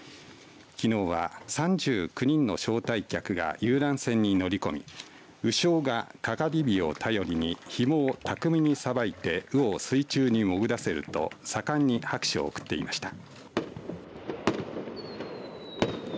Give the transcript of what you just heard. きのうは３９人の招待客が遊覧船に乗り込み鵜匠がかがり火を頼りにひもを巧みにさばいて鵜を水中に潜らせると盛んに拍手を送っていました。